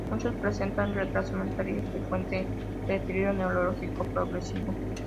Muchos presentan retraso mental y es frecuente el deterioro neurológico progresivo.